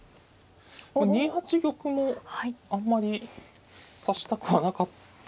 ２八玉もあんまり指したくはなかっ。